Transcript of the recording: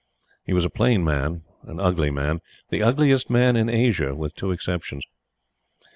He was a plain man an ugly man the ugliest man in Asia, with two exceptions.